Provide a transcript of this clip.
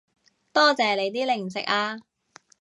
多謝你啲零食啊